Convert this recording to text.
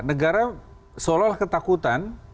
negara seolah olah ketakutan